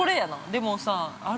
でもさ、ある？